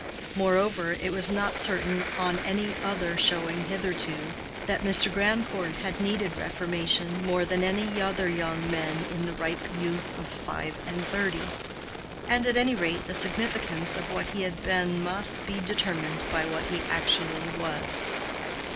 Moreover, it was not certain on any other showing hitherto, that Mr. Grandcourt had needed reformation more than other young men in the ripe youth of five and thirty; and, at any rate, the significance of what he had been must be determined by what he actually was.